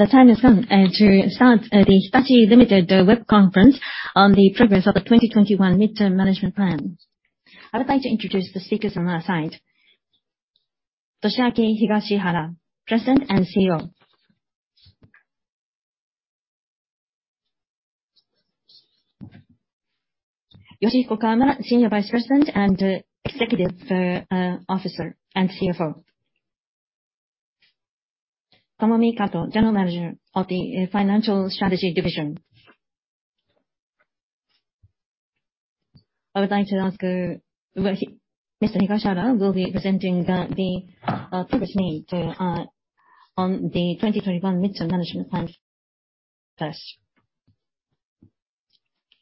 The time has come to start the Hitachi, Ltd. web conference on the progress of the 2021 Mid-term Management Plan. I would like to introduce the speakers on our side. Toshiaki Higashihara, President and CEO. Yoshihiko Kawamura, Senior Vice President and Executive Officer and CFO. Tomomi Kato, General Manager of the Financial Strategy Division. I would like to ask. Mr. Higashihara will be presenting the progress made on the 2021 Mid-term Management Plan first.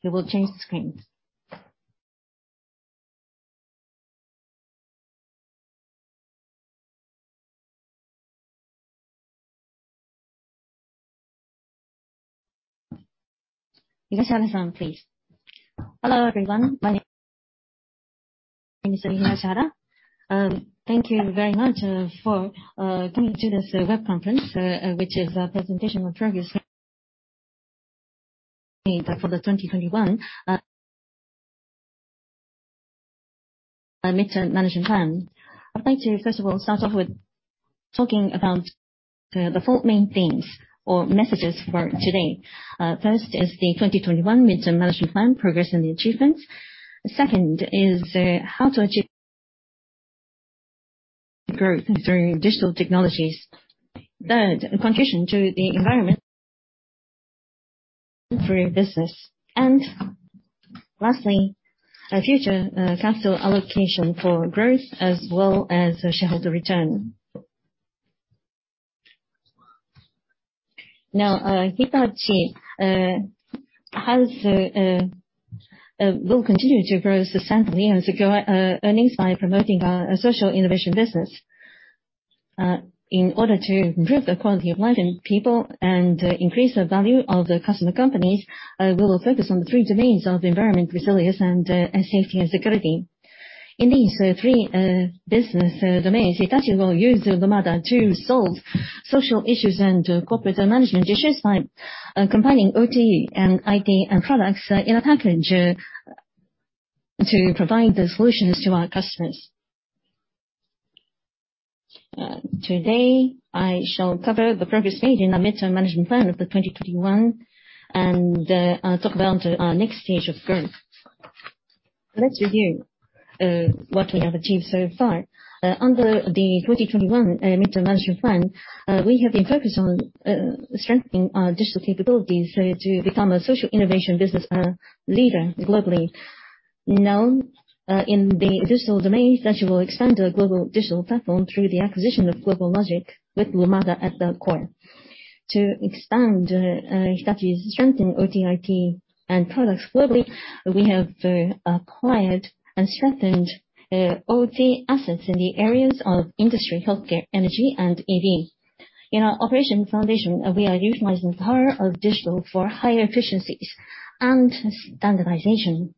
We will change the screens. Higashihara-san, please. Hello, everyone. My name is Higashihara. Thank you very much for coming to this web conference, which is a presentation of progress made for the 2021 Mid-term Management Plan. I'd like to first of all start off with talking about the four main themes or messages for today. First is the 2021 Mid-term Management Plan progress and achievements. Second is how to achieve growth through digital technologies. Third, contribution to the environment through business. Lastly, future capital allocation for growth as well as shareholder return. Now, Hitachi will continue to grow sustainably, and secure earnings by promoting our Social Innovation Business. In order to improve the quality of life in people and increase the value of the customer companies, we will focus on the three domains of environment resilience and safety and security. In these three business domains, Hitachi will use Lumada to solve social issues and corporate management issues by combining OT and IT products in a package to provide the solutions to our customers. Today, I shall cover the progress made in the Mid-term Management Plan of the 2021, and talk about our next stage of growth. Let's review what we have achieved so far. Under the 2021 Mid-term Management Plan, we have been focused on strengthening our digital capabilities to become a social innovation business leader globally. In the digital domain, Hitachi will expand the global digital platform through the acquisition of GlobalLogic with Lumada at the core. To expand Hitachi's strength in OT, IT, and products globally, we have acquired and strengthened OT assets in the areas of industry, healthcare, energy, and EV. In our operation foundation, we are utilizing the power of digital for higher efficiencies and standardization.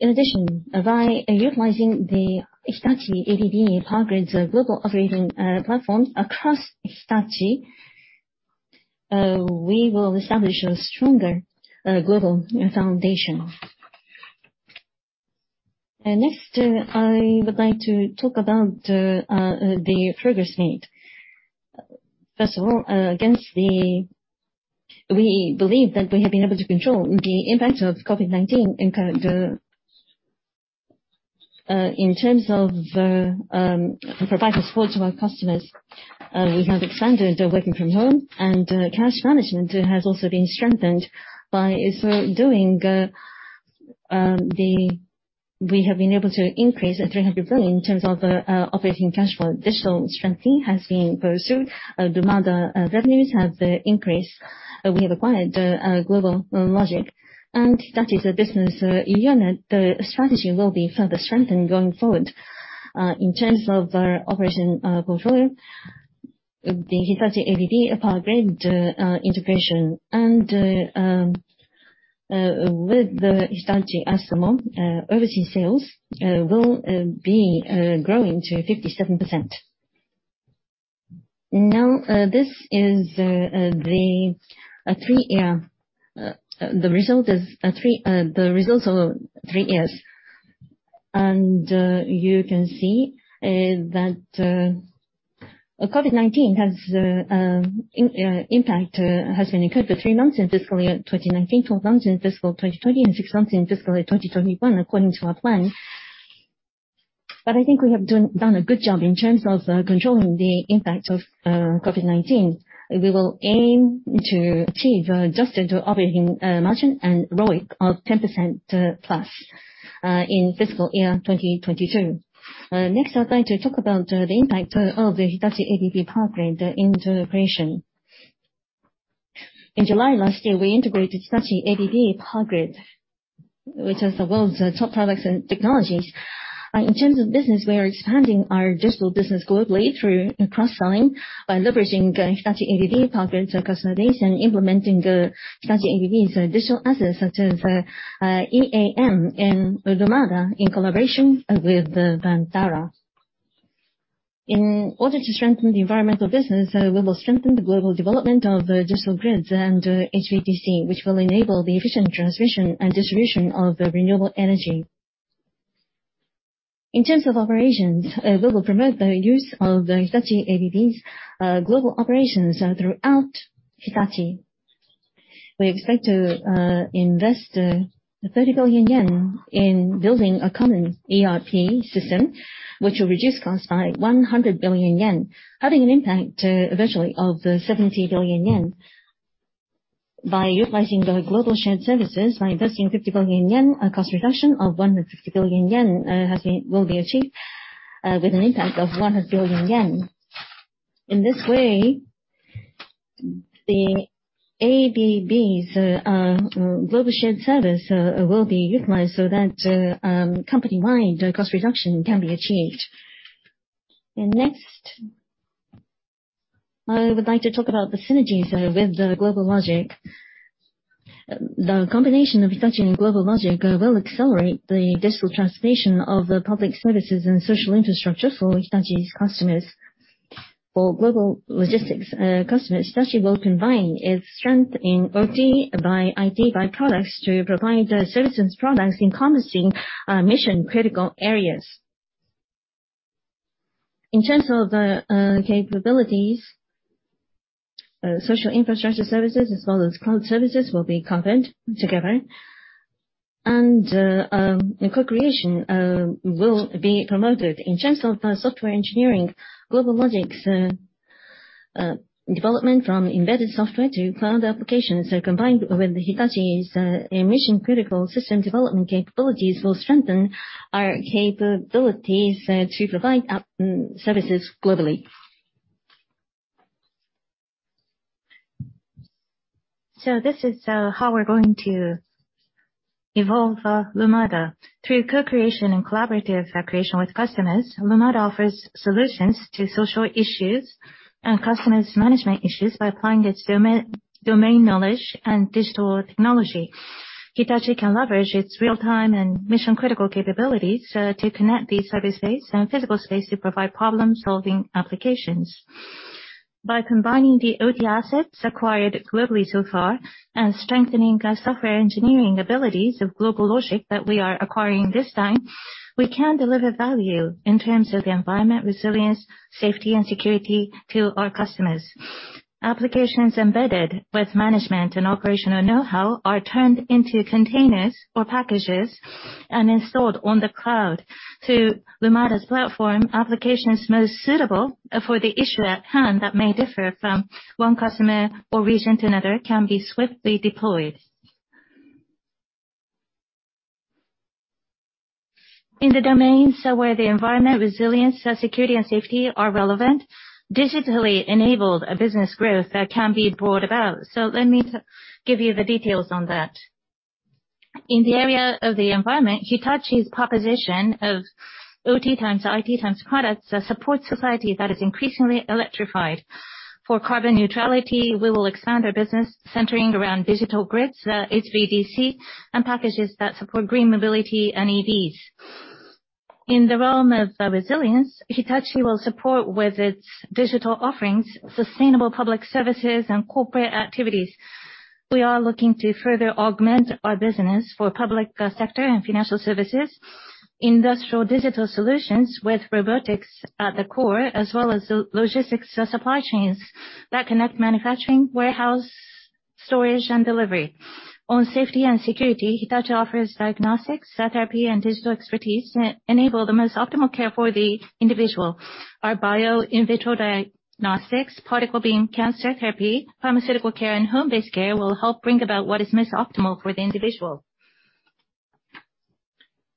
In addition, by utilizing the Hitachi ABB Power Grids' global operating platforms across Hitachi, we will establish a stronger global foundation. I would like to talk about the progress made. We believe that we have been able to control the impact of COVID-19 in terms of providing support to our customers. We have expanded working from home, and cash management has also been strengthened. By so doing, we have been able to increase 300 billion in terms of operating cash flow. Digital strengthening has been pursued. Lumada revenues have increased. We have acquired GlobalLogic, and that is a business unit. The strategy will be further strengthened going forward. In terms of our operation portfolio, the Hitachi ABB Power Grids integration, and with the Hitachi Astemo, overseas sales will be growing to 57%. Now, this is the results of three years, and you can see that COVID-19 impact has been incurred for three months in fiscal year 2019, 12 months in fiscal 2020, and six months in fiscal 2021, according to our plan. I think we have done a good job in terms of controlling the impact of COVID-19. We will aim to achieve adjusted operating margin and ROIC of 10%+ in fiscal year 2022. Next, I'd like to talk about the impact of the Hitachi ABB Power Grids integration. In July last year, we integrated Hitachi ABB Power Grids, which has the world's top products and technologies. In terms of business, we are expanding our digital business globally through cross-selling by leveraging Hitachi ABB Power Grids' customization, implementing Hitachi ABB's digital assets such as EAM and Lumada in collaboration with Vantara. In order to strengthen the environmental business, we will strengthen the global development of digital grids and HVDC, which will enable the efficient transmission and distribution of the renewable energy. In terms of operations, we will promote the use of Hitachi ABB's global operations throughout Hitachi. We expect to invest 30 billion yen in building a common ERP system, which will reduce costs by 100 billion yen, having an impact eventually of 70 billion yen. By utilizing the global shared services, by investing 50 billion yen, a cost reduction of 150 billion yen will be achieved with an impact of 100 billion yen. In this way, the ABB's global shared service will be utilized so that company-wide cost reduction can be achieved. Next, I would like to talk about the synergies with GlobalLogic. The combination of Hitachi and GlobalLogic will accelerate the digital transformation of public services and social infrastructure for Hitachi's customers. For GlobalLogic's customers, Hitachi will combine its strength in OT by IT by products to provide services products encompassing mission-critical areas. In terms of the capabilities, social infrastructure services as well as cloud services will be covered together, and co-creation will be promoted. In terms of software engineering, GlobalLogic's development from embedded software to cloud applications, combined with Hitachi's mission-critical system development capabilities, will strengthen our capabilities to provide services globally. This is how we're going to evolve Lumada. Through co-creation and collaborative creation with customers, Lumada offers solutions to social issues and customers' management issues by applying its domain knowledge and digital technology. Hitachi can leverage its real-time and mission-critical capabilities to connect these service space and physical space to provide problem-solving applications. By combining the OT assets acquired globally so far and strengthening our software engineering abilities of GlobalLogic that we are acquiring this time, we can deliver value in terms of the environment, resilience, safety, and security to our customers. Applications embedded with management and operational know-how are turned into containers or packages and installed on the cloud. Through Lumada's platform, applications most suitable for the issue at hand that may differ from one customer or region to another can be swiftly deployed. In the domains where the environment, resilience, security, and safety are relevant, digitally enabled business growth can be brought about. Let me give you the details on that. In the area of the environment, Hitachi's proposition of OT times IT times products support society that is increasingly electrified. For carbon neutrality, we will expand our business centering around digital grids, HVDC, and packages that support green mobility and EVs. In the realm of resilience, Hitachi will support with its digital offerings, sustainable public services, and corporate activities. We are looking to further augment our business for public sector and financial services, industrial digital solutions with robotics at the core, as well as logistics supply chains that connect manufacturing, warehouse, storage, and delivery. On safety and security, Hitachi offers diagnostics, therapy, and digital expertise that enable the most optimal care for the individual. Our bio in vitro diagnostics, particle beam cancer therapy, pharmaceutical care, and home-based care will help bring about what is most optimal for the individual.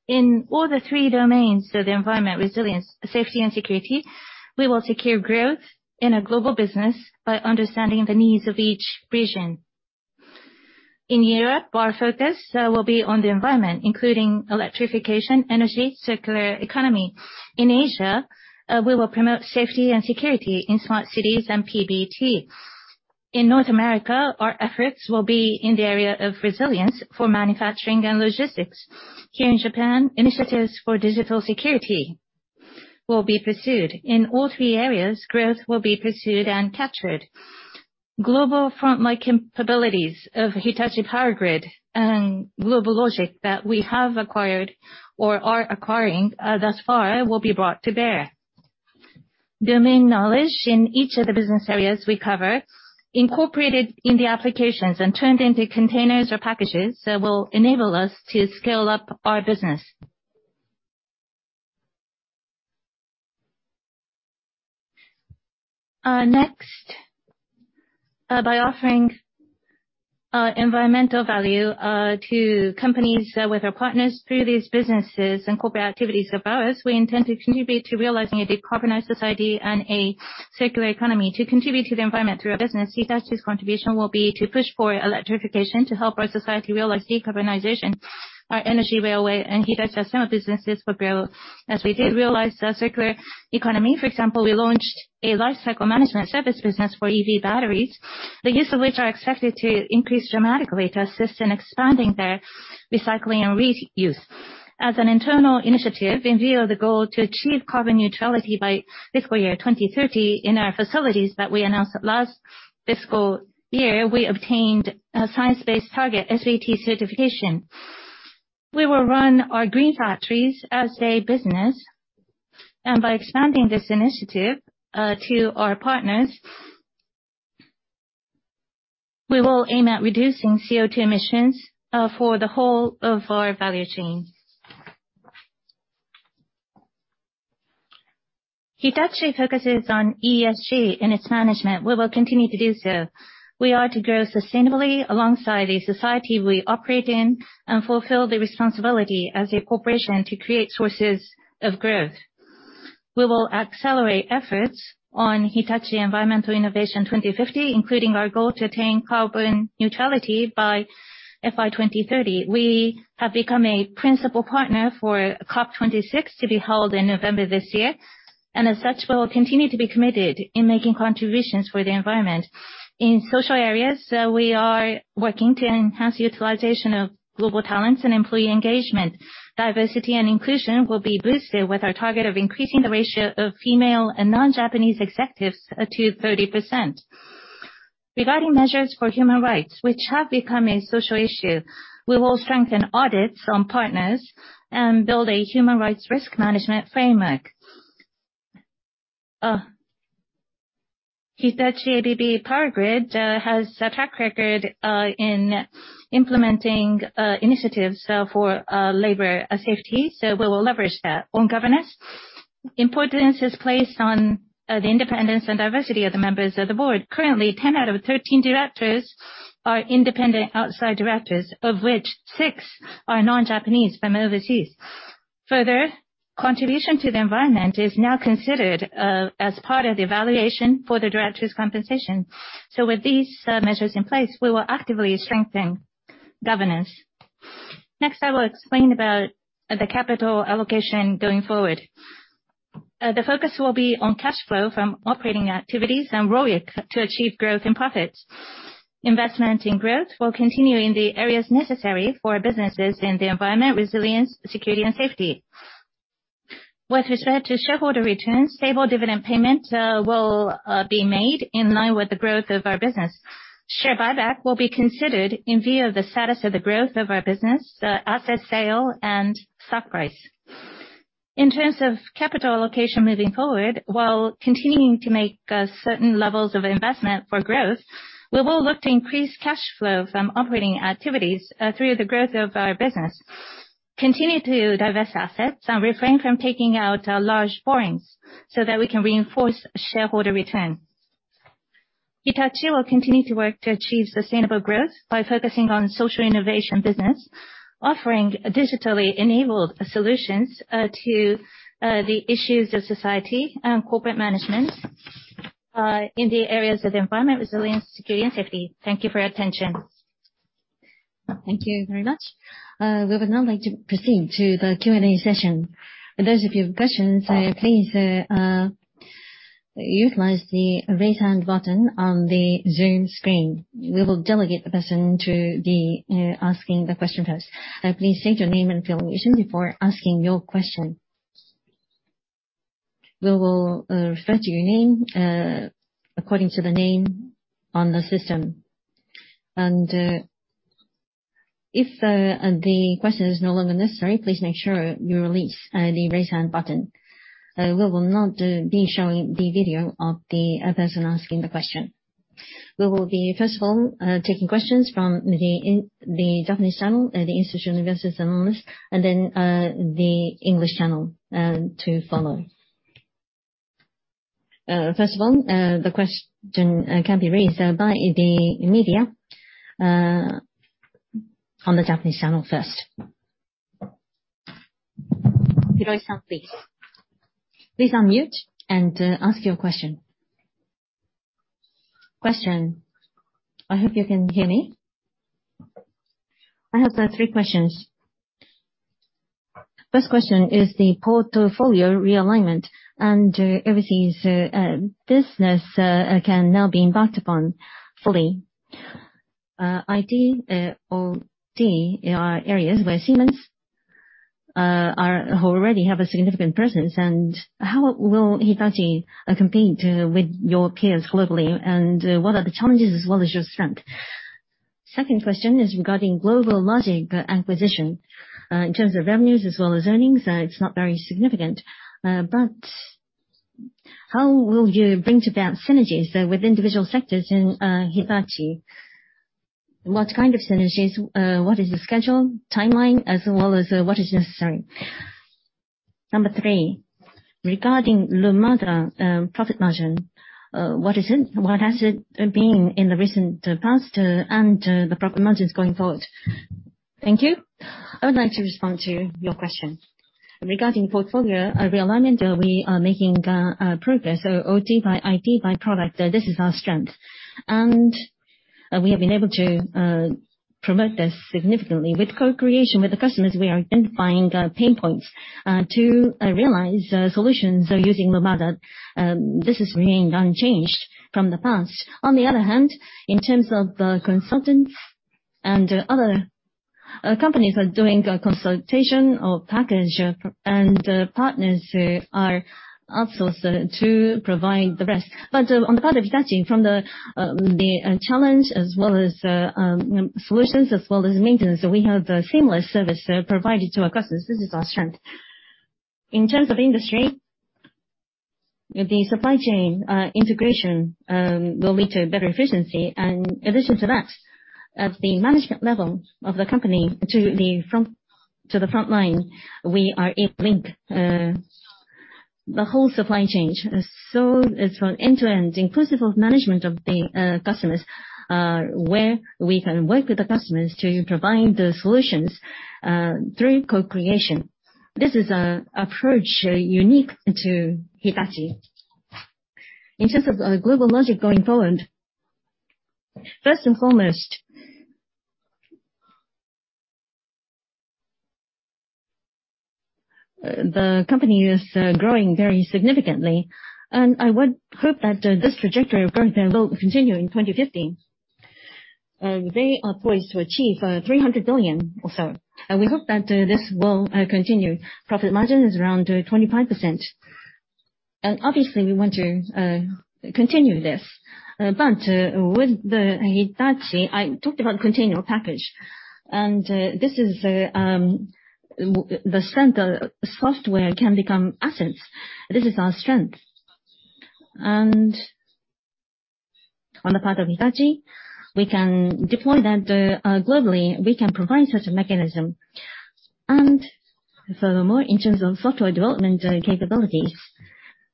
In all three domains, the environment, resilience, safety, and security, we will secure growth in a global business by understanding the needs of each region. In Europe, our focus will be on the environment, including electrification, energy, circular economy. In Asia, we will promote safety and security in smart cities and PBT. In North America, our efforts will be in the area of resilience for manufacturing and logistics. Here in Japan, initiatives for digital security will be pursued. In all three areas, growth will be pursued and captured. Global frontline capabilities of Hitachi Power Grid and GlobalLogic that we have acquired or are acquiring thus far will be brought to bear. Domain knowledge in each of the business areas we cover, incorporated in the applications and turned into containers or packages that will enable us to scale up our business. By offering environmental value to companies with our partners through these businesses and corporate activities of ours, we intend to contribute to realizing a decarbonized society and a circular economy. To contribute to the environment through our business, Hitachi's contribution will be to push for electrification to help our society realize decarbonization. Our energy, railway, and heat system businesses will grow as we did realize the circular economy. For example, we launched a lifecycle management service business for EV batteries, the use of which are expected to increase dramatically to assist in expanding their recycling and reuse. As an internal initiative, in view of the goal to achieve carbon neutrality by fiscal year 2030 in our facilities that we announced last fiscal year, we obtained a science-based target, SBT certification. By expanding this initiative to our partners, we will aim at reducing CO2 emissions for the whole of our value chain. Hitachi focuses on ESG in its management. We will continue to do so. We are to grow sustainably alongside a society we operate in and fulfill the responsibility as a corporation to create sources of growth. We will accelerate efforts on Hitachi Environmental Innovation 2050, including our goal to attain carbon neutrality by FY 2030. We have become a principal partner for COP26 to be held in November this year. As such, we will continue to be committed in making contributions for the environment. In social areas, we are working to enhance the utilization of global talents and employee engagement. Diversity and inclusion will be boosted with our target of increasing the ratio of female and non-Japanese executives to 30%. Regarding measures for human rights, which have become a social issue, we will strengthen audits on partners and build a human rights risk management framework. Hitachi ABB Power Grids has a track record in implementing initiatives for labor safety, so we will leverage that. Importance is placed on the independence and diversity of the members of the board. Currently, 10 out of 13 directors are independent outside directors, of which six are non-Japanese from overseas. Further, contribution to the environment is now considered as part of the evaluation for the directors' compensation. With these measures in place, we will actively strengthen governance. Next, I will explain about the capital allocation going forward. The focus will be on cash flow from operating activities and ROIC to achieve growth and profits. Investment in growth will continue in the areas necessary for businesses in the environment, resilience, security, and safety. With respect to shareholder returns, stable dividend payment will be made in line with the growth of our business. Share buyback will be considered in view of the status of the growth of our business, the asset sale, and stock price. In terms of capital allocation moving forward, while continuing to make certain levels of investment for growth, we will look to increase cash flow from operating activities through the growth of our business, continue to divest assets, and refrain from taking out large borrowings so that we can reinforce shareholder return. Hitachi will continue to work to achieve sustainable growth by focusing on social innovation business, offering digitally enabled solutions to the issues of society and corporate management in the areas of environment, resilience, security, and safety. Thank you for your attention. Thank you very much. We would now like to proceed to the Q&A session. Those of you who have questions, please utilize the Raise Hand button on the Zoom screen. We will delegate the person to be asking the question first. Please state your name and affiliation before asking your question. We will refer to your name according to the name on the system. If the question is no longer necessary, please make sure you release the Raise Hand button. We will not be showing the video of the person asking the question. We will be, first of all, taking questions from the Japanese channel, the institutional investors analysts, and then the English channel, to follow. First of all, the question can be raised by the media on the Japanese channel first. Hirakawa-san, please. Please unmute and ask your question. Question. I hope you can hear me. I have three questions. First question is the portfolio realignment and everything business can now be embarked upon fully. IT/OT are areas where Siemens already have a significant presence. How will Hitachi compete with your peers globally, and what are the challenges as well as your strength? Second question is regarding GlobalLogic acquisition. In terms of revenues as well as earnings, it's not very significant, but how will you bring to bear synergies with individual sectors in Hitachi? What kind of synergies, what is the schedule timeline, as well as what is necessary? Number three, regarding Lumada profit margin, what is it? What has it been in the recent past and the profit margins going forward? Thank you. I would like to respond to your question. Regarding portfolio realignment, we are making progress. OT by IT by product, this is our strength. We have been able to promote this significantly. With co-creation with the customers, we are identifying pain points to realize solutions using Lumada. This has remained unchanged from the past. On the other hand, in terms of consultants and other. Companies are doing a consultation or package, and partners are outsourced to provide the rest. On the part of Hitachi, from the challenge as well as solutions as well as maintenance, we have a seamless service provided to our customers. This is our strength. In terms of industry, the supply chain integration will lead to better efficiency. In addition to that, at the management level of the company to the front line, we are able to link the whole supply chain. It's from end to end, inclusive of management of the customers, where we can work with the customers to provide the solutions through co-creation. This is an approach unique to Hitachi. In terms of GlobalLogic going forward, first and foremost, the company is growing very significantly, and I would hope that this trajectory of growth there will continue in 2050. They are poised to achieve 300 billion or so. We hope that this will continue. Profit margin is around 25%. Obviously, we want to continue this. With Hitachi, I talked about container package. This is the strength. Software can become assets. This is our strength. On the part of Hitachi, we can deploy that globally. We can provide such a mechanism. Furthermore, in terms of software development capabilities,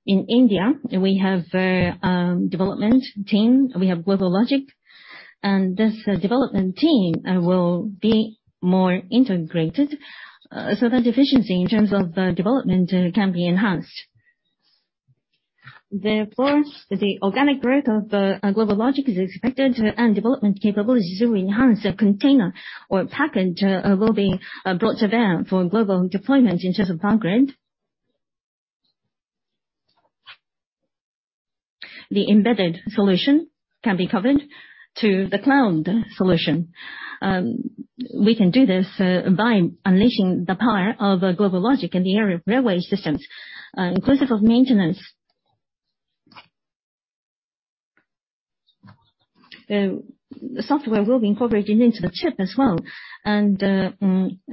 in India, we have a development team, we have GlobalLogic. This development team will be more integrated, that efficiency in terms of development can be enhanced. Therefore, the organic growth of GlobalLogic is expected. Development capabilities to enhance the container or package will be brought to them for global deployment in terms of background. The embedded solution can be covered to the cloud solution. We can do this by unleashing the power of GlobalLogic in the area of railway systems, inclusive of maintenance. The software will be incorporated into the chip as well.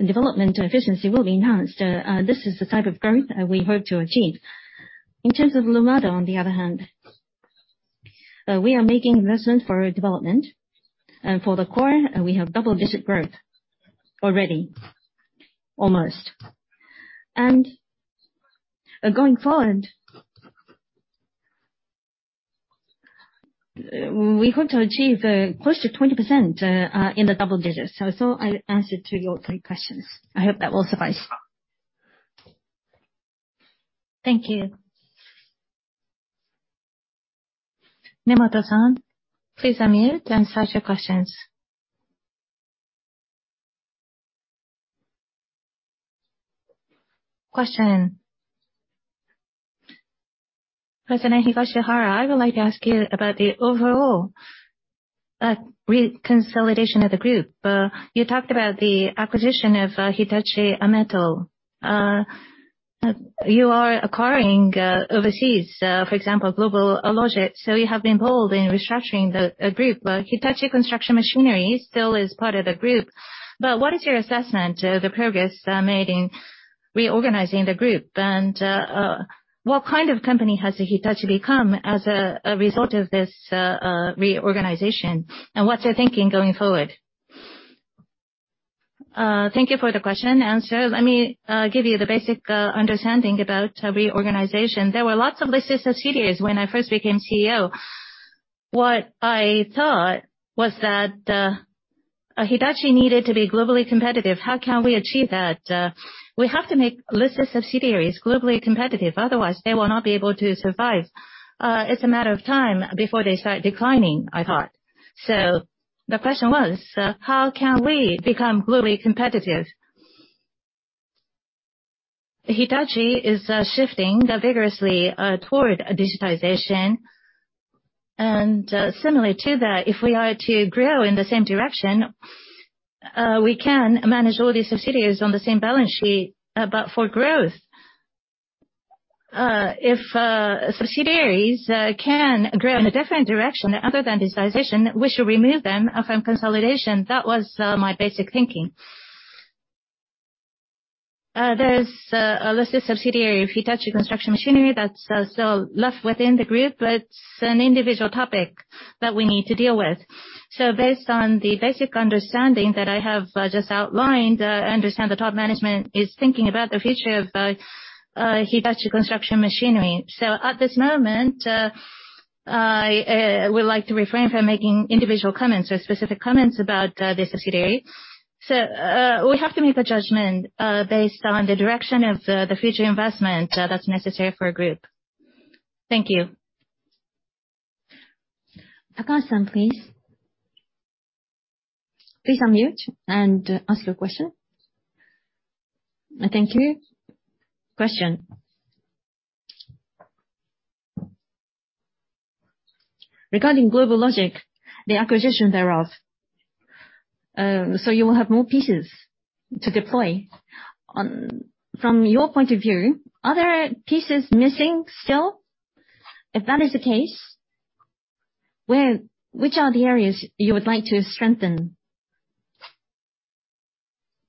Development efficiency will be enhanced. This is the type of growth we hope to achieve. In terms of Lumada, on the other hand, we are making investment for development. For the core, we have double-digit growth already, almost. Going forward, we hope to achieve close to 20% in the double digits. I thought I answered your three questions. I hope that will suffice. Thank you. Nemoto-san, please unmute and start your questions. President Higashihara, I would like to ask you about the overall consolidation of the group. You talked about the acquisition of Hitachi Metals. You are acquiring overseas, for example, GlobalLogic, so you have been bold in restructuring the group. Hitachi Construction Machinery still is part of the group. What is your assessment of the progress made in reorganizing the group? What kind of company has Hitachi become as a result of this reorganization, and what's your thinking going forward? Thank you for the question. Let me give you the basic understanding about reorganization. There were lots of listed subsidiaries when I first became CEO. What I thought was that Hitachi needed to be globally competitive. How can we achieve that? We have to make listed subsidiaries globally competitive, otherwise they will not be able to survive. It's a matter of time before they start declining, I thought. The question was, how can we become globally competitive? Hitachi is shifting vigorously toward digitization, and similarly to that, if we are to grow in the same direction, we can manage all the subsidiaries on the same balance sheet. For growth, if subsidiaries can grow in a different direction other than digitization, we should remove them from consolidation. That was my basic thinking. There's a listed subsidiary of Hitachi Construction Machinery that's still left within the group, but it's an individual topic that we need to deal with. Based on the basic understanding that I have just outlined, I understand the top management is thinking about the future of Hitachi Construction Machinery. At this moment, I would like to refrain from making individual comments or specific comments about the subsidiary. We have to make a judgment based on the direction of the future investment that's necessary for a group. Thank you. Tamai-san, please. Please unmute and ask your question. Thank you. Question. Regarding GlobalLogic, the acquisition thereof. You will have more pieces to deploy. From your point of view, are there pieces missing still? If that is the case, which are the areas you would like to strengthen?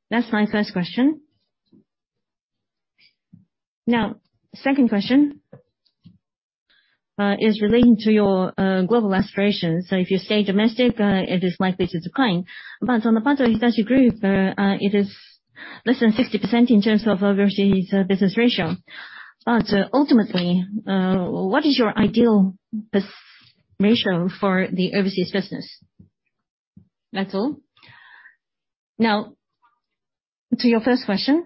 That's my first question. Second question is relating to your global aspirations. If you stay domestic, it is likely to decline. On the part of Hitachi Group, it is less than 60% in terms of overseas business ratio. Ultimately, what is your ideal best ratio for the overseas business? That's all. To your first question.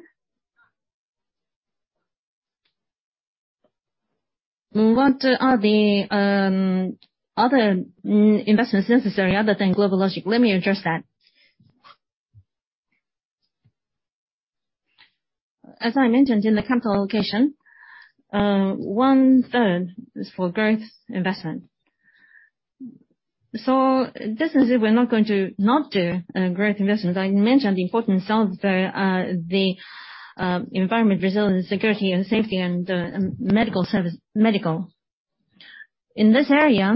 What are the other investments necessary other than GlobalLogic? Let me address that. As I mentioned in the capital allocation, one-third is for growth investment. This isn't we're not going to not do growth investment. I mentioned the importance of the environment resilience, security and safety, and medical. In this area,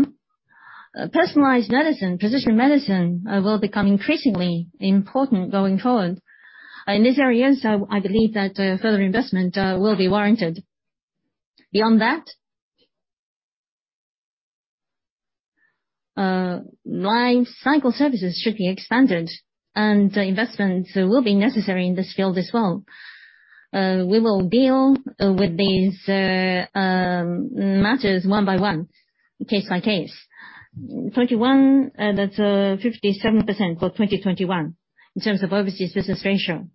personalized medicine, precision medicine will become increasingly important going forward. In this area, I believe that further investment will be warranted. Beyond that, lifecycle services should be expanded, and investments will be necessary in this field as well. We will deal with these matters one by one, case by case. That's 57% for 2021, in terms of overseas business ratio.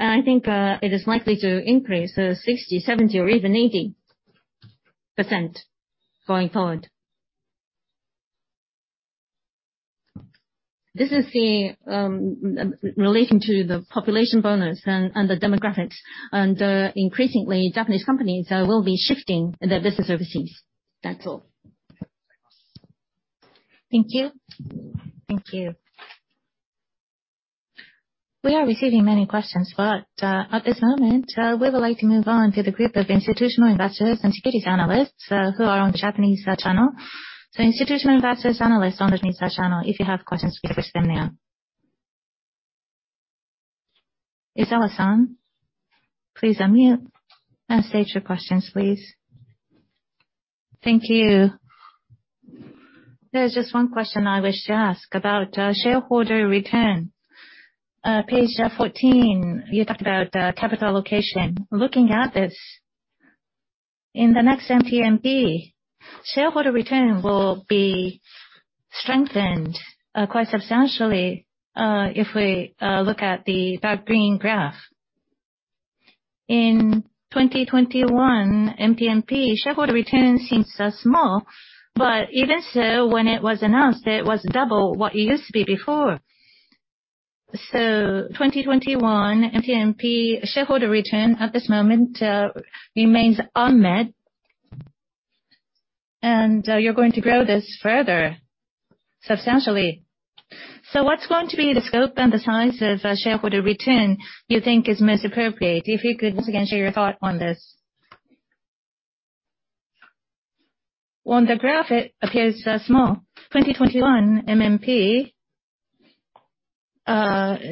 I think it is likely to increase 60%, 70% or even 80% going forward. This is relating to the population bonus and the demographics, and increasingly, Japanese companies will be shifting their business overseas. That's all. Thank you. Thank you. We are receiving many questions, but at this moment, we would like to move on to the group of institutional investors and securities analysts who are on the Japanese channel. Institutional investors, analysts on the Japanese channel, if you have questions, please ask them now. Ezawa-san, please unmute and state your questions, please. Thank you. There is just one question I wish to ask about shareholder return. page 14, you talked about capital allocation. Looking at this, in the next MMP, shareholder return will be strengthened quite substantially, if we look at the dark green graph. In 2021 MMP, shareholder return seems small, but even so, when it was announced, it was double what it used to be before. 2021 MMP shareholder return at this moment remains unmet, and you're going to grow this further substantially. What's going to be the scope and the size of shareholder return you think is most appropriate? If you could once again share your thought on this. On the graph, it appears small. 2021 MMP,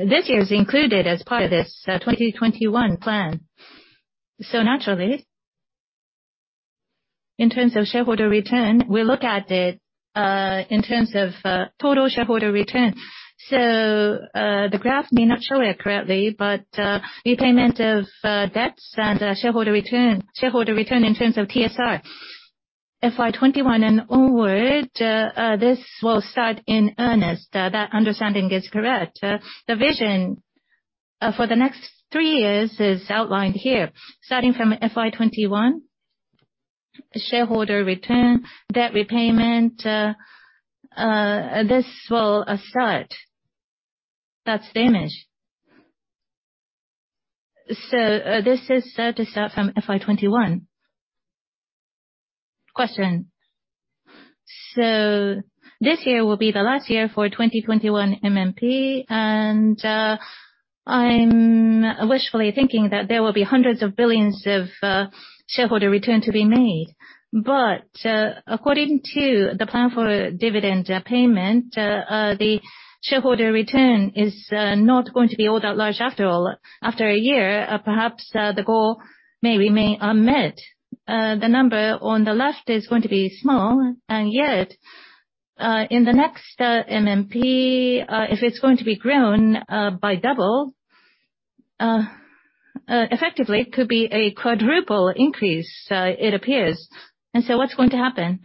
this year is included as part of this 2021 plan. Naturally, in terms of shareholder return, we look at it in terms of total shareholder return. The graph may not show it correctly, but repayment of debts and shareholder return in terms of TSR. FY 2021 and onward, this will start in earnest. That understanding is correct. The vision for the next three years is outlined here. Starting from FY 2021, shareholder return, debt repayment, this will start. That's damage. This is set to start from FY 2021. This year will be the last year for 2021 MMP, and I'm wishfully thinking that there will be hundreds of billions shareholder return to be made. According to the plan for dividend payment, the shareholder return is not going to be all that large after all. After a year, perhaps the goal may remain unmet. The number on the left is going to be small, and yet, in the next MMP, if it's going to be grown by double, effectively it could be a quadruple increase, it appears. What's going to happen?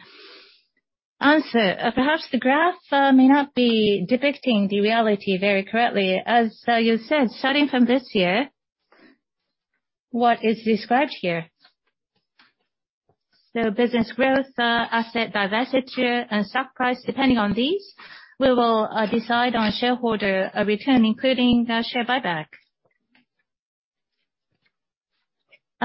Perhaps the graph may not be depicting the reality very correctly. As you said, starting from this year, what is described here: business growth, asset divestiture, and stock price, depending on these, we will decide on shareholder return, including share buyback.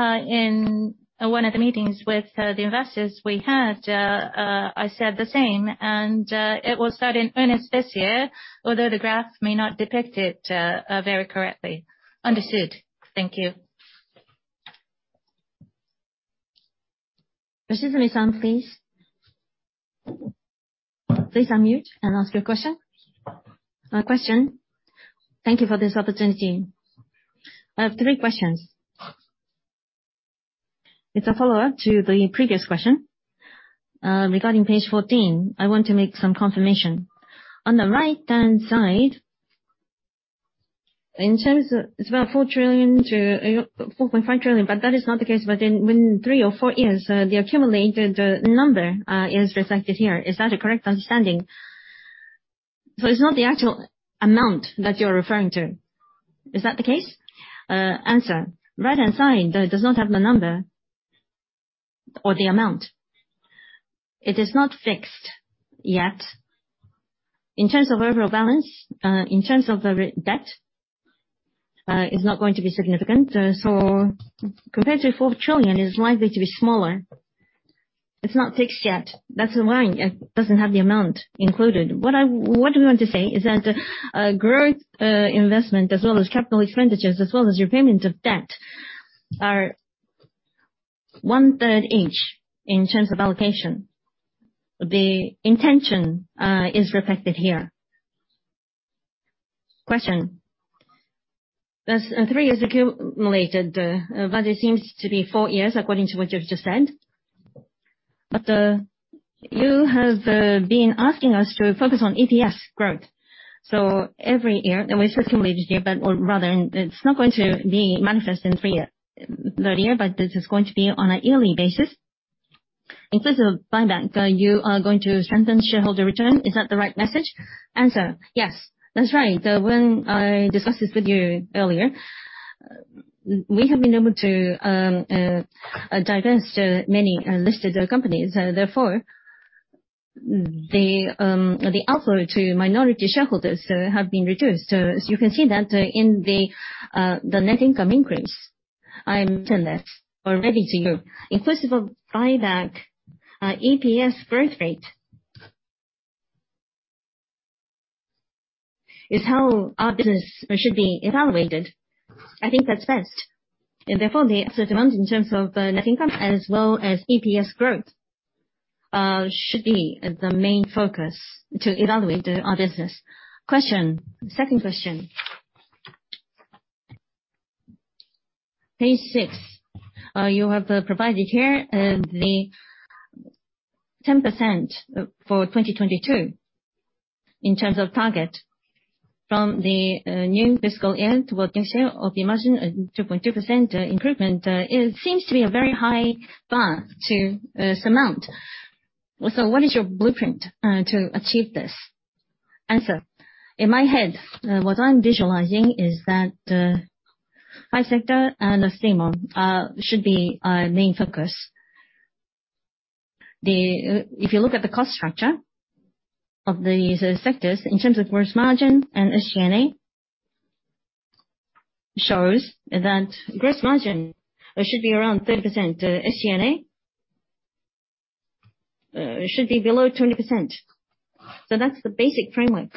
In one of the meetings with the investors we had, I said the same, and it will start in earnest this year, although the graphs may not depict it very correctly. Understood. Thank you. Mrs. Mizan, please. Please unmute and ask your question. Thank you for this opportunity. I have three questions. It's a follow-up to the previous question. Regarding page 14, I want to make some confirmation. On the right-hand side, in terms of, it's about 4 trillion-4.5 trillion, that is not the case. In three or four years, the accumulated number is reflected here. Is that a correct understanding? It's not the actual amount that you're referring to. Is that the case? Right-hand side, though it does not have the number or the amount, it is not fixed yet. In terms of overall balance, in terms of the debt, it's not going to be significant. Compared to 4 trillion, it's likely to be smaller. It's not fixed yet. That's why it doesn't have the amount included. What we want to say is that, growth investment, as well as capital expenditures, as well as repayments of debt are one-third each in terms of allocation. The intention is reflected here. That's three years accumulated, it seems to be four years according to what you've just said. You have been asking us to focus on EPS growth. Every year We've accumulated here, but, or rather, it's not going to be manifest in three year, third year, but this is going to be on a yearly basis. In terms of buyback, you are going to strengthen shareholder return. Is that the right message? Yes, that's right. When I discussed this with you earlier, we have been able to divest many listed companies, therefore, the outflow to minority shareholders have been reduced. You can see that in the net income increase. I mentioned this already to you. In case of buyback, EPS growth rate is how our business should be evaluated. I think that's best. Therefore the amount in terms of net income as well as EPS growth should be the main focus to evaluate our business. Second question. Page six. You have provided here the 10% for 2022 in terms of target. From the new fiscal year to working share of the margin, a 2.2% improvement, it seems to be a very high bar to surmount. What is your blueprint to achieve this? In my head, what I'm visualizing is that the five sector and the Astemo should be our main focus. If you look at the cost structure of these sectors in terms of gross margin and SG&A, shows that gross margin should be around 30%. SG&A should be below 20%. That's the basic framework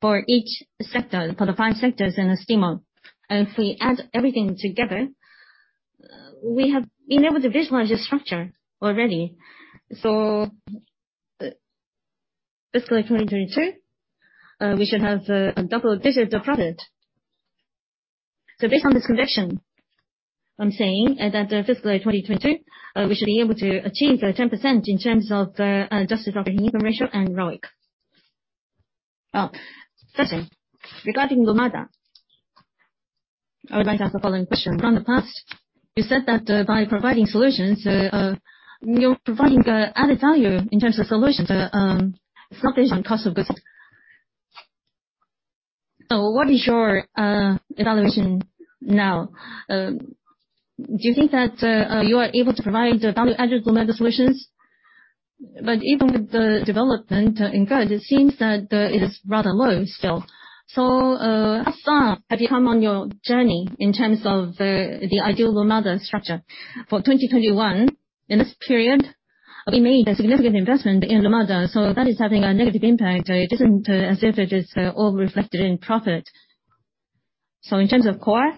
for each sector, for the five sectors in the Astemo. If we add everything together, we have been able to visualize this structure already. Fiscal 2022, we should have a double-digit profit. Based on this conviction, I'm saying that fiscal 2022, we should be able to achieve 10% in terms of adjusted operating income ratio and ROIC. Second, regarding Lumada. I would like to ask the following question. From the past, you said that by providing solutions, you're providing added value in terms of solutions. It's not based on cost of goods. What is your evaluation now? Do you think that you are able to provide value-added Lumada solutions? Even with the development in goods, it seems that it is rather low still. How far have you come on your journey in terms of the ideal Lumada structure? For 2021, in this period, we made a significant investment in Lumada, so that is having a negative impact. It isn't as if it is all reflected in profit. In terms of core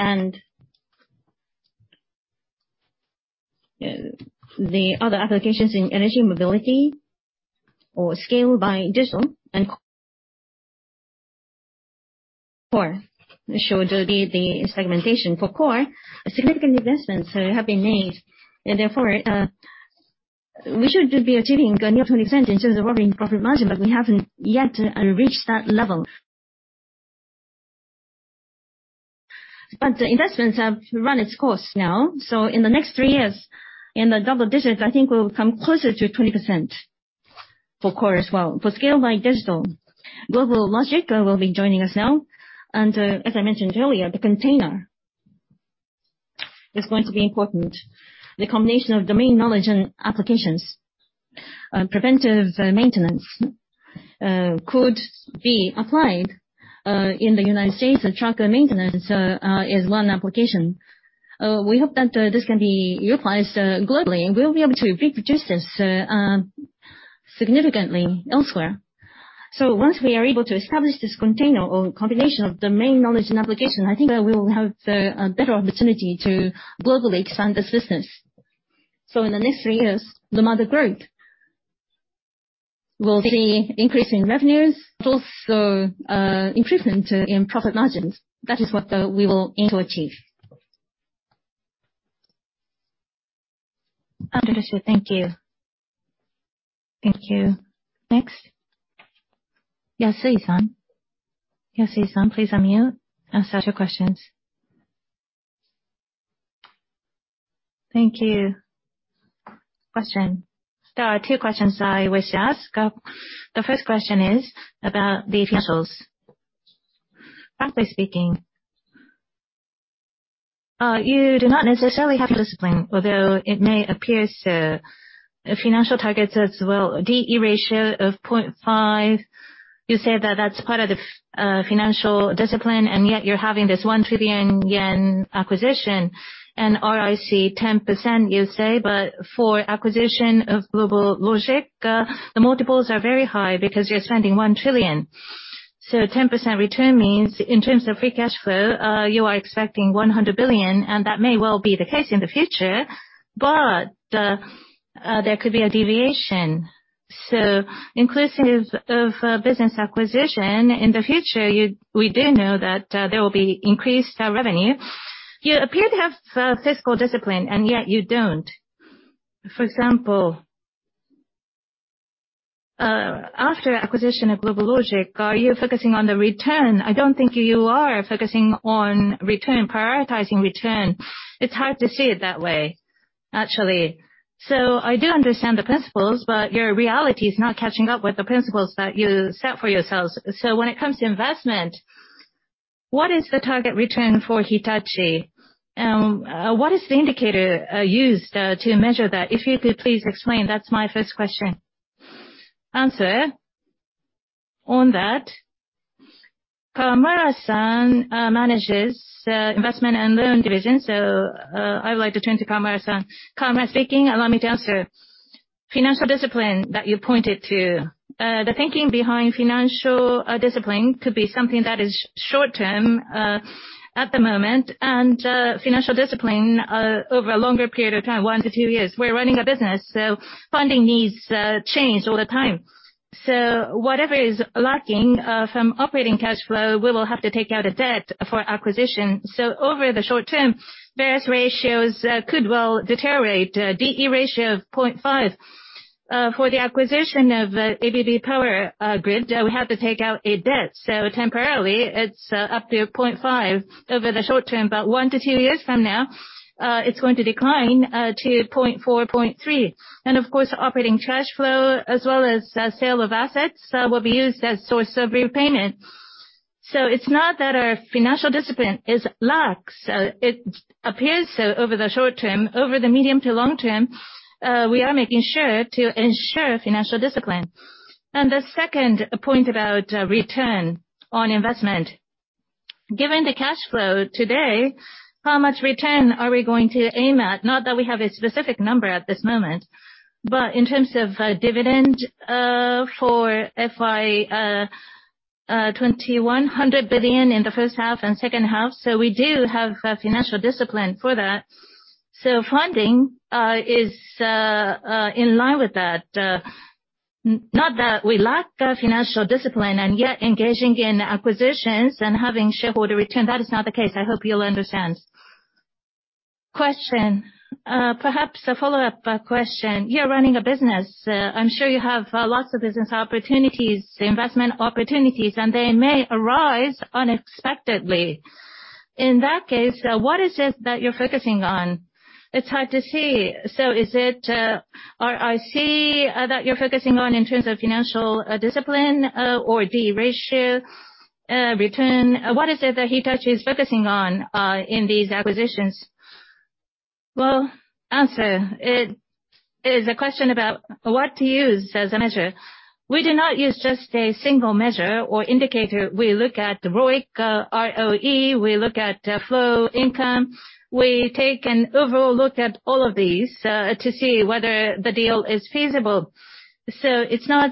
and the other applications in energy and mobility or scale by digital and core should be the segmentation for core, significant investments have been made, therefore, we should be achieving near 20% in terms of operating profit margin, we haven't yet reached that level. The investments have run its course now. In the next three years, in the double-digits, I think we'll come closer to 20% for Core as well. For scale by digital, GlobalLogic will be joining us now, and as I mentioned earlier, the container is going to be important. The combination of domain knowledge and applications. Preventive maintenance could be applied in the U.S. Truck maintenance is one application. We hope that this can be applied globally, and we'll be able to reproduce this significantly elsewhere. Once we are able to establish this container, or combination of domain knowledge and application, I think that we will have a better opportunity to globally expand this business. In the next three years, Lumada growth will see increase in revenues, but also improvement in profit margins. That is what we will aim to achieve. Understood. Thank you. Thank you. Next, Yasui-san. Yasui-san, please unmute and start your questions. Thank you. There are two questions I wish to ask. The first question is about the financials. Frankly speaking, you do not necessarily have discipline, although it may appear so. Financial targets as well, D/E ratio of 0.5, you say that that's part of the financial discipline, yet you're having this 1 trillion yen acquisition, ROIC 10% you say, but for acquisition of GlobalLogic, the multiples are very high because you're spending 1 trillion. 10% return means, in terms of free cash flow, you are expecting 100 billion, and that may well be the case in the future, but there could be a deviation. Inclusive of business acquisition in the future, we do know that there will be increased revenue. You appear to have fiscal discipline, and yet you don't. For example, after acquisition of GlobalLogic, are you focusing on the return? I don't think you are focusing on return, prioritizing return. It's hard to see it that way, actually. I do understand the principles, but your reality is not catching up with the principles that you set for yourselves. When it comes to investment, what is the target return for Hitachi? What is the indicator used to measure that? If you could please explain. That's my first question. Answer on that, Kawamura-san manages investment and loan division, so I would like to turn to Kawamura-san. Kawamura speaking. Allow me to answer. Financial discipline that you pointed to. The thinking behind financial discipline could be something that is short term at the moment, and financial discipline over a longer period of time, one to two years. We're running a business, so funding needs change all the time. Whatever is lacking from operating cash flow, we will have to take out a debt for acquisition. Over the short term, various ratios could well deteriorate. D/E ratio of 0.5. For the acquisition of ABB Power Grids, we have to take out a debt, so temporarily it's up to 0.5 over the short term, but one to two years from now, it's going to decline to 0.4, 0.3. Of course, operating cash flow as well as sale of assets will be used as source of repayment. It's not that our financial discipline is lax, it appears so over the short term. Over the medium to long term, we are making sure to ensure financial discipline. The second point about return on investment. Given the cash flow today, how much return are we going to aim at? Not that we have a specific number at this moment, but in terms of dividend for FY 2021, 100 billion in the first half and second half. We do have financial discipline for that. Funding is in line with that. Not that we lack financial discipline and yet engaging in acquisitions and having shareholder return, that is not the case. I hope you'll understand. Perhaps a follow-up question. You're running a business. I'm sure you have lots of business opportunities, investment opportunities, and they may arise unexpectedly. In that case, what is it that you're focusing on? It's hard to see. Is it ROIC that you're focusing on in terms of financial discipline, or D/E ratio, return? What is it that Hitachi is focusing on in these acquisitions? It is a question about what to use as a measure. We do not use just a single measure or indicator. We look at the ROIC, ROE, we look at flow income. We take an overall look at all of these to see whether the deal is feasible. It's not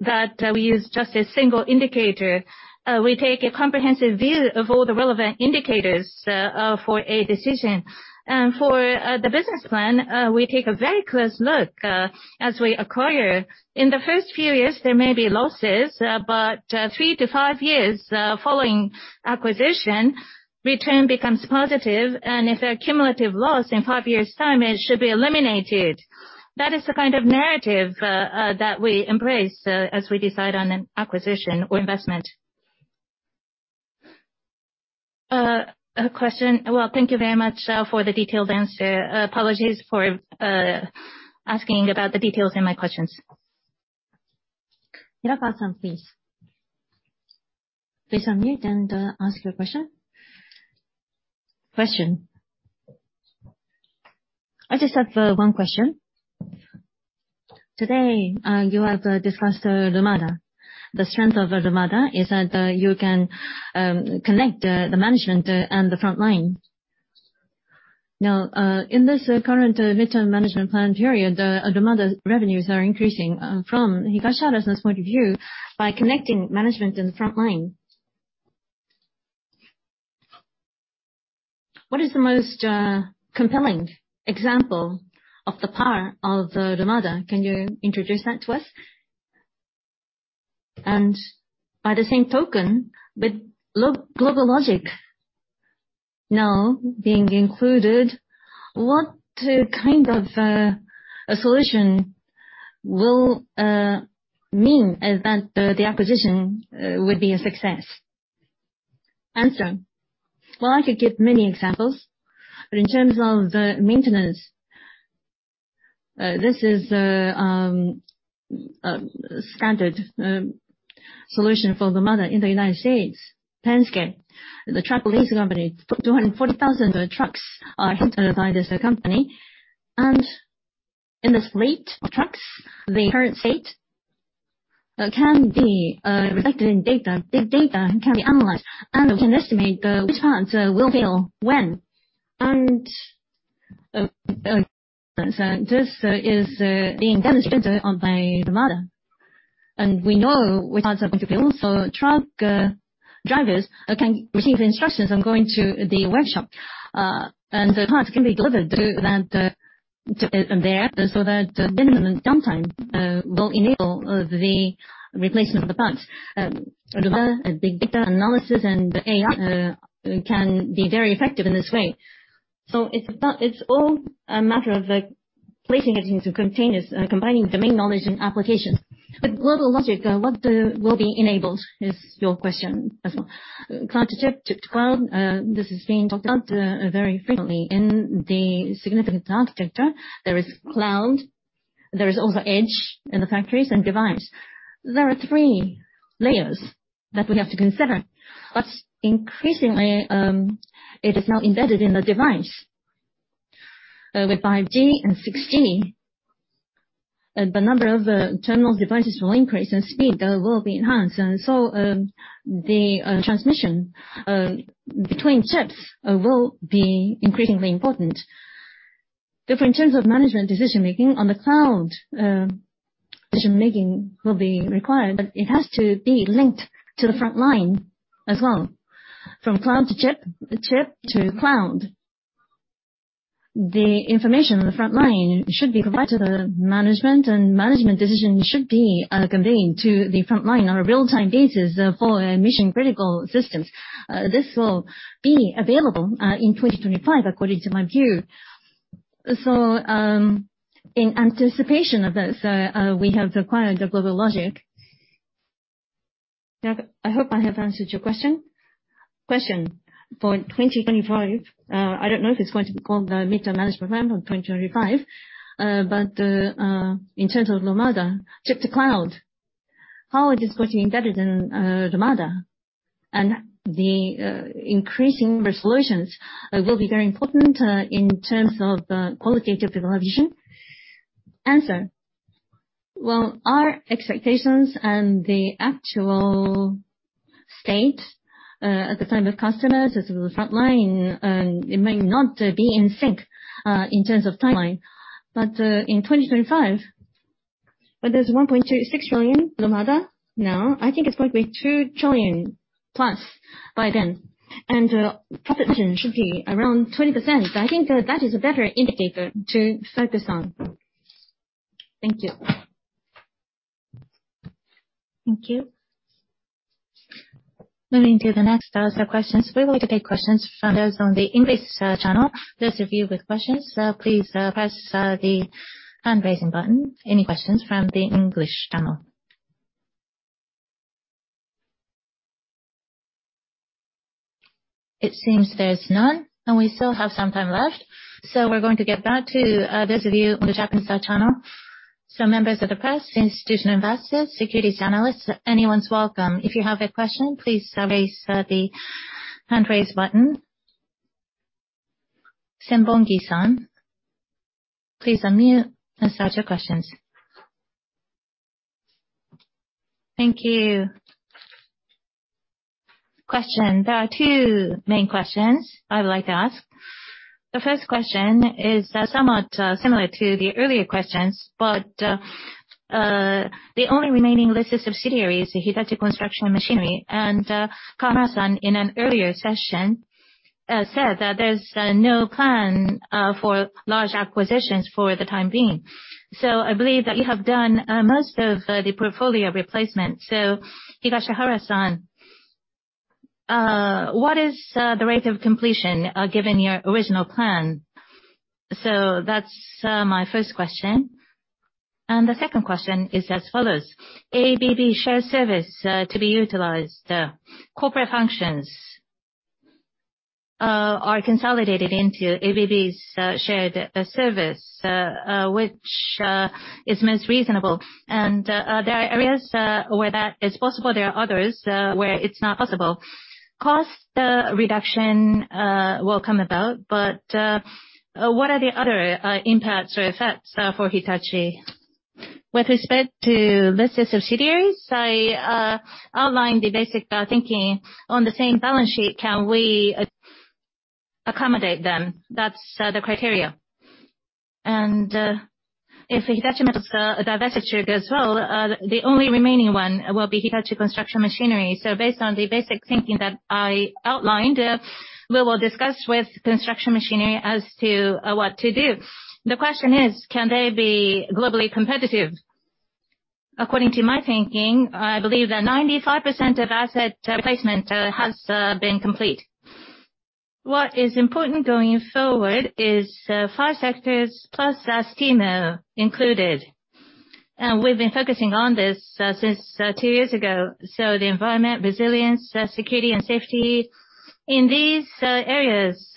that we use just a single indicator. We take a comprehensive view of all the relevant indicators for a decision. For the business plan, we take a very close look as we acquire. In the first few years, there may be losses, but three to five years following acquisition, return becomes positive, and if a cumulative loss in five years' time, it should be eliminated. That is the kind of narrative that we embrace as we decide on an acquisition or investment. Thank you very much for the detailed answer. Apologies for asking about the details in my questions. Please unmute and ask your question. I just have one question. Today, you have discussed Lumada. The strength of Lumada is that you can connect the management and the frontline. In this current Mid-term Management Plan period, the Lumada revenues are increasing from Higashihara-san point of view, by connecting management and frontline. What is the most compelling example of the power of Lumada? Can you introduce that to us? By the same token, with GlobalLogic now being included, what kind of a solution will mean that the acquisition would be a success? I could give many examples, but in terms of the maintenance, this is a standard solution for Lumada in the U.S. Penske, the truck leasing company, 240,000 trucks are handled by this company. In this fleet of trucks, the current state can be reflected in data. Big data can be analyzed, we can estimate which parts will fail when. This is being demonstrated by Lumada. We know which parts are going to fail, so truck drivers can receive the instructions and go into the workshop, and the parts can be delivered to there, so that minimum downtime will enable the replacement of the parts. Lumada, big data analysis and AI can be very effective in this way. It's all a matter of placing it into containers, combining domain knowledge and applications. GlobalLogic, what will be enabled is your question as well. Cloud-to-chip, chip-to-cloud, this is being talked about very frequently in the. There is cloud, there is also edge in the factories, and device. There are three layers that we have to consider. Increasingly, it is now embedded in the device. With 5G and 6G, the number of terminal devices will increase and speed will be enhanced. The transmission between chips will be increasingly important. Therefore, in terms of management decision-making on the cloud, decision-making will be required, but it has to be linked to the frontline as well. From cloud-to-chip, chip-to-cloud. The information on the frontline should be provided to the management, and management decisions should be conveyed to the frontline on a real-time basis for mission-critical systems. This will be available in 2025, according to my view. In anticipation of this, we have acquired GlobalLogic. I hope I have answered your question. For 2025, I don't know if it's going to be called the mid-term management plan for 2025, but in terms of Lumada chip-to-cloud, how it is going to be embedded in Lumada? The increasing resolutions will be very important in terms of qualitative evolution. Well, our expectations and the actual state at the time of customers as the frontline, it may not be in sync in terms of timeline. In 2025, there's 1.26 trillion Lumada now, I think it's going to be 2 trillion+ by then. Profit margin should be around 20%. I think that is a better indicator to focus on. Thank you. Thank you. Moving to the next set of questions. We're going to take questions from those on the English channel. Those of you with questions, please press the hand-raising button. Any questions from the English channel? It seems there's none, and we still have some time left. We're going to get back to those of you on the Japanese channel. Members of the press, institutional investors, securities analysts, anyone's welcome. If you have a question, please raise the hand raise button. Senbongi-san, please unmute and start your questions. Thank you. Question. There are two main questions I would like to ask. The first question is somewhat similar to the earlier questions, but, the only remaining listed subsidiary is the Hitachi Construction Machinery, and Kawamura-san, in an earlier session, said that there's no plan for large acquisitions for the time being. I believe that you have done most of the portfolio replacement. Higashihara-san, what is the rate of completion given your original plan? That's my first question. The second question is as follows, ABB shared service to be utilized. Corporate functions are consolidated into ABB's shared service, which is most reasonable. There are areas where that is possible, there are others where it's not possible. Cost reduction will come about, but what are the other impacts or effects for Hitachi? With respect to listed subsidiaries, I outlined the basic thinking. On the same balance sheet, can we accommodate them? That's the criteria. If Hitachi Metals divested as well, the only remaining one will be Hitachi Construction Machinery. Based on the basic thinking that I outlined, we will discuss with Construction Machinery as to what to do. The question is, can they be globally competitive? According to my thinking, I believe that 95% of asset replacement has been complete. What is important going forward is five sectors, plus Astemo included. We've been focusing on this since two years ago. The environment, resilience, security, and safety. In these areas,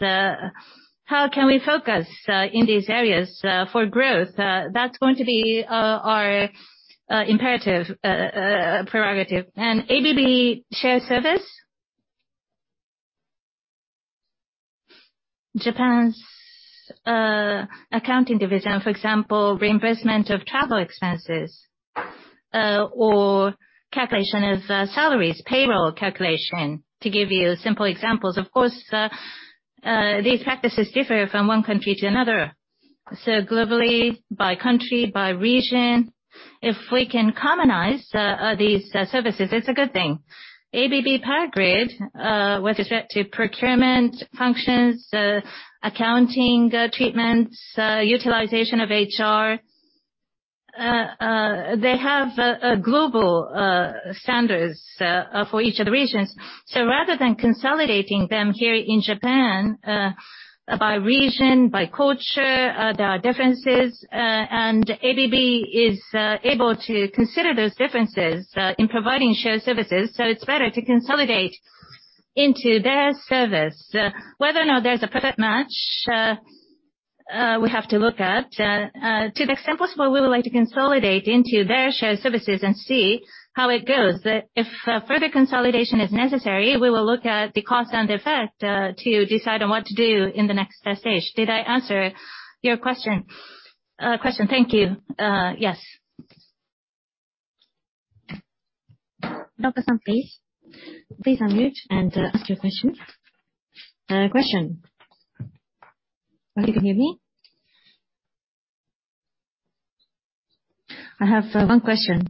how can we focus in these areas for growth? That's going to be our imperative prerogative. ABB shared service. Japan's accounting division, for example, reimbursement of travel expenses or calculation of salaries, payroll calculation, to give you simple examples. Of course, these practices differ from one country to another. Globally, by country, by region, if we can commonize these services, it's a good thing. ABB Power Grid with respect to procurement functions, accounting treatments, utilization of HR, they have global standards for each of the regions. Rather than consolidating them here in Japan, by region, by culture, there are differences, and ABB is able to consider those differences in providing shared services, so it's better to consolidate into their service. Whether or not there's a perfect match, we have to look at. To the extent possible, we would like to consolidate into their shared services and see how it goes. If further consolidation is necessary, we will look at the cost and the effect to decide on what to do in the next stage. Did I answer your question? Thank you. Yes. Naka-san, please. Please unmute and ask your question. Question. Can you hear me? I have one question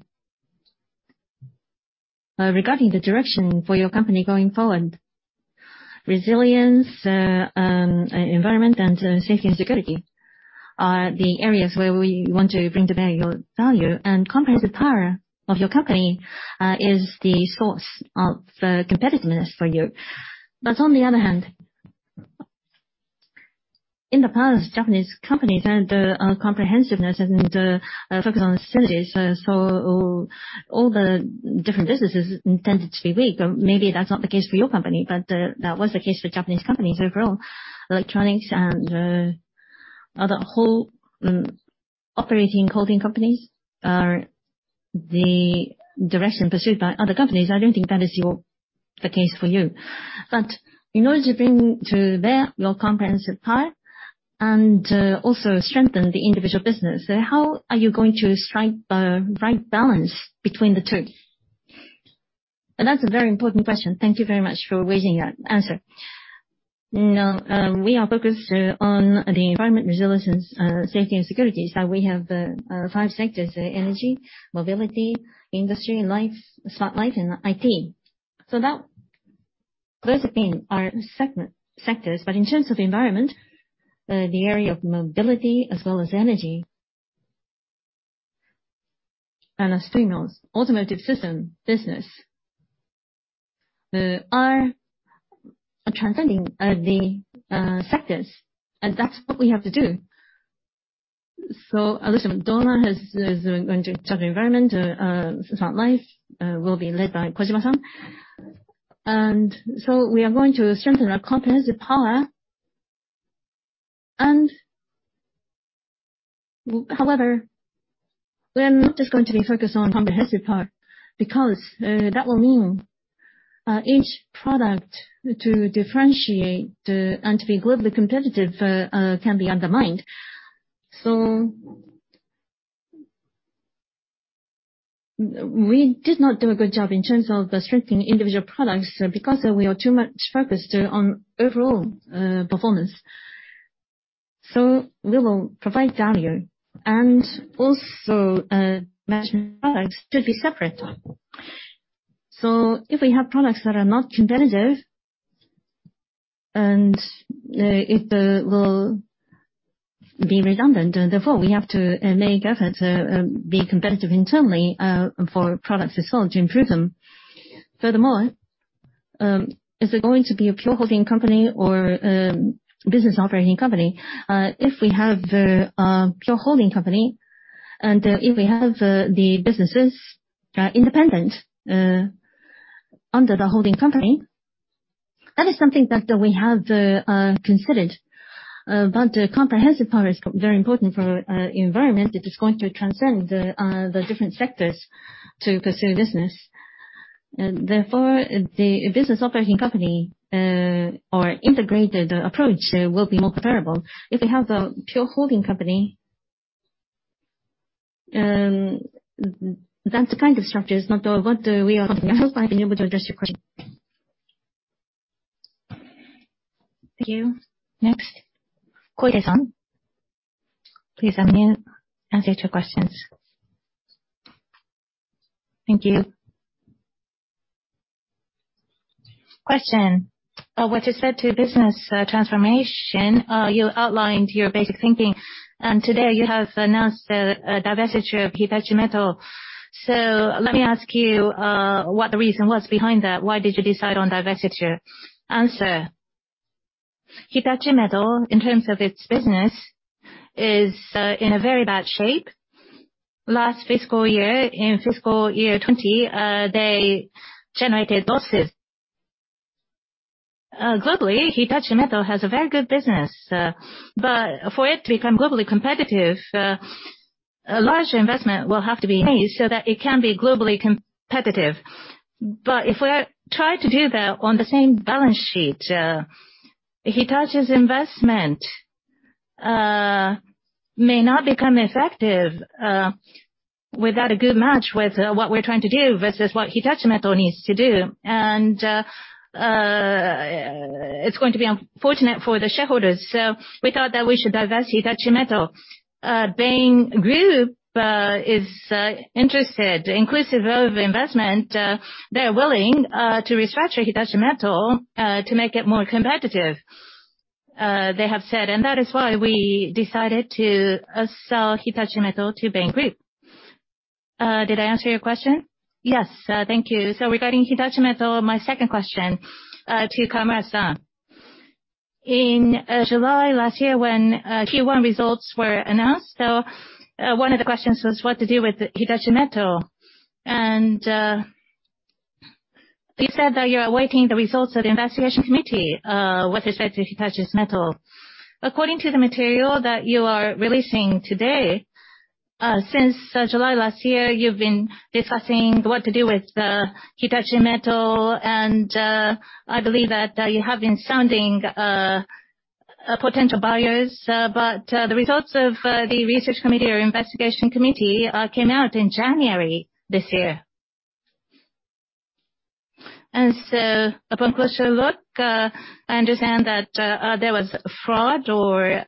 regarding the direction for your company going forward. Resilience, environment, and safety and security are the areas where we want to bring to bear your value, and comprehensive power of your company is the source of competitiveness for you. On the other hand, in the past, Japanese companies and comprehensiveness and focus on synergies, so all the different businesses tended to be weak. Maybe that's not the case for your company, but that was the case for Japanese companies overall. Electronics and other whole operating holding companies are the direction pursued by other companies. I don't think that is the case for you. In order to bring to bear your comprehensive power and also strengthen the individual business, how are you going to strike the right balance between the two? That's a very important question. Thank you very much for raising that answer. We are focused on the environment, resilience, safety, and security. We have five sectors: energy, mobility, industry, Smart Life, and IT. Those have been our sectors. In terms of environment, the area of mobility as well as energy, and as knows, automotive system business are transcending the sectors, and that's what we have to do. Alistair Dormer is going to be in charge of environment. Smart Life will be led by Kojima-san. We are going to strengthen our comprehensive power. However, we are not just going to be focused on comprehensive power, because that will mean each product to differentiate and to be globally competitive can be undermined. We did not do a good job in terms of strengthening individual products because we are too much focused on overall performance. We will provide value, and also manage products should be separate. If we have products that are not competitive, and it will be redundant, and therefore we have to make effort to be competitive internally for products we sold to improve them. Is it going to be a pure holding company or a business operating company? If we have a pure holding company, and if we have the businesses independent under the holding company, that is something that we have considered. Comprehensive power is very important for our environment. It is going to transcend the different sectors to pursue business. Therefore, the business operating company or integrated approach will be more preferable. If we have a pure holding company, that's the kind of structure, it's not what we are talking about. I hope I've been able to address your question. Thank you. Next, Koide-san. Please unmute. Answer to your questions. Thank you. What you said to business transformation, you outlined your basic thinking, and today you have announced the divesture of Hitachi Metals. Let me ask you what the reason was behind that. Why did you decide on divesture? Answer. Hitachi Metals, in terms of its business, is in a very bad shape. Last fiscal year, in fiscal year 2020, they generated losses. Globally, Hitachi Metals has a very good business, but for it to become globally competitive, a large investment will have to be made so that it can be globally competitive. If we try to do that on the same balance sheet, Hitachi's investment may not become effective without a good match with what we're trying to do versus what Hitachi Metals needs to do. It's going to be unfortunate for the shareholders. We thought that we should divest Hitachi Metals. Bain Capital is interested, inclusive of investment. They're willing to restructure Hitachi Metals to make it more competitive, they have said, and that is why we decided to sell Hitachi Metals to Bain Capital. Did I answer your question? Yes. Thank you. Regarding Hitachi Metals, my second question to Kawamura-san. In July last year, when Q1 results were announced, one of the questions was what to do with Hitachi Metals. You said that you are awaiting the results of the investigation committee with respect to Hitachi Metals. According to the material that you are releasing today, since July last year, you've been discussing what to do with Hitachi Metals, I believe that you have been sounding potential buyers, the results of the research committee or investigation committee came out in January this year. Upon closer look, I understand that there was fraud or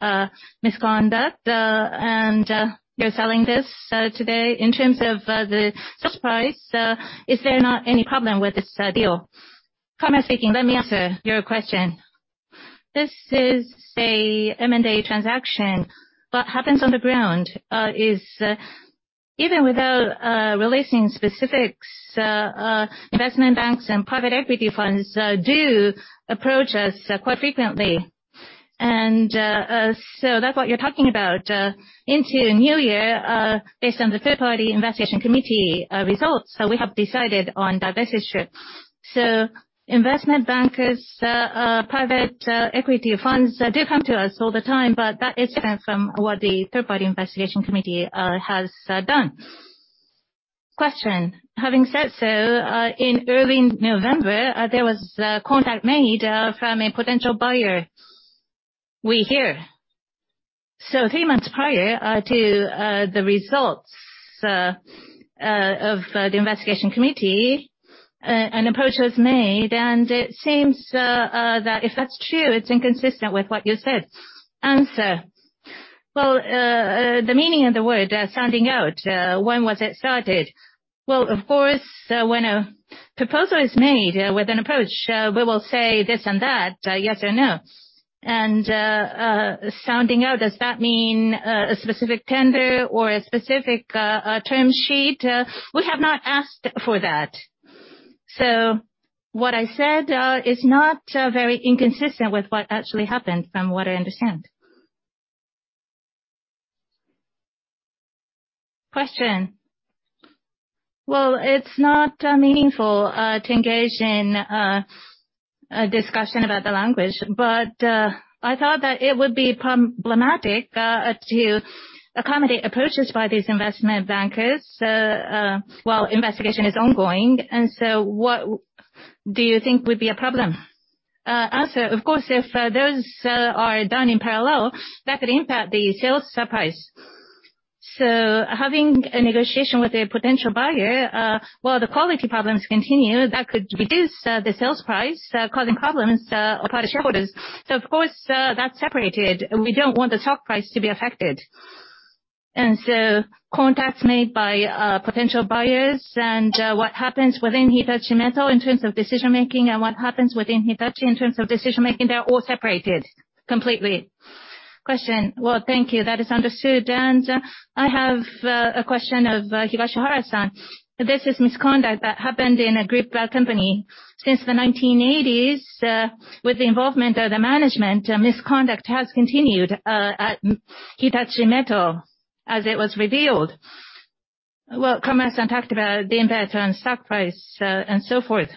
misconduct, and you're selling this today. In terms of the stock price, is there not any problem with this deal? Let me answer your question. This is a M&A transaction. What happens on the ground is, even without releasing specifics, investment banks and private equity funds do approach us quite frequently. That's what you're talking about. Into a new year, based on the third-party investigation committee results, we have decided on divestiture. Investment bankers, private equity funds do come to us all the time, but that is different from what the third-party investigation committee has done. Having said so, in early November, there was contact made from a potential buyer, we hear. Three months prior to the results of the investigation committee, an approach was made, and it seems that if that's true, it's inconsistent with what you said. Well, the meaning of the word, sounding out, when was it started? Well, of course, when a proposal is made with an approach, we will say this and that, yes or no. Sounding out, does that mean a specific tender or a specific term sheet? We have not asked for that. What I said is not very inconsistent with what actually happened, from what I understand. Well, it's not meaningful to engage in a discussion about the language, but I thought that it would be problematic to accommodate approaches by these investment bankers while investigation is ongoing. What do you think would be a problem? Of course, if those are done in parallel, that could impact the sales price. Having a negotiation with a potential buyer while the quality problems continue, that could reduce the sales price, causing problems for our shareholders. Of course, that's separated. We don't want the stock price to be affected. Contacts made by potential buyers and what happens within Hitachi Metals in terms of decision-making and what happens within Hitachi in terms of decision-making, they're all separated completely. Well, thank you. That is understood. I have a question of Higashihara-san. This is misconduct that happened in a group company. Since the 1980s, with the involvement of the management, misconduct has continued at Hitachi Metals, as it was revealed. Well, Kawamura-san talked about the impact on stock price and so forth.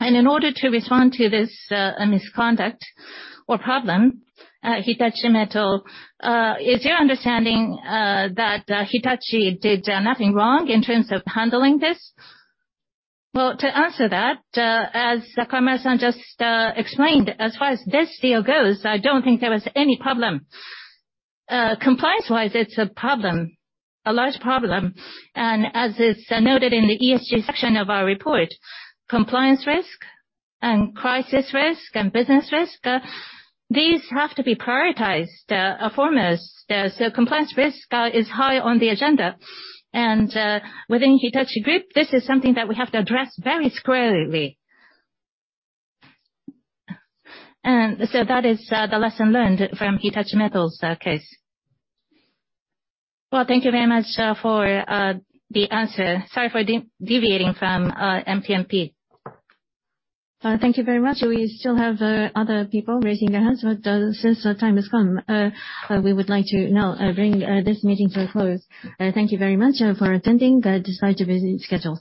In order to respond to this misconduct or problem, Hitachi Metals, is your understanding that Hitachi did nothing wrong in terms of handling this? To answer that, as Kawamura-san just explained, as far as this deal goes, I don't think there was any problem. Compliance-wise, it's a problem, a large problem. As is noted in the ESG section of our report, compliance risk and crisis risk and business risk, these have to be prioritized foremost. Compliance risk is high on the agenda. Within Hitachi Group, this is something that we have to address very squarely. That is the lesson learned from Hitachi Metals' case. Well, thank you very much for the answer. Sorry for deviating from MMP. Thank you very much. We still have other people raising their hands, but since the time has come, we would like to now bring this meeting to a close. Thank you very much for attending, despite your busy schedule.